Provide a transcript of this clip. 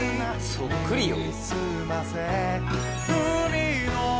そっくりよ。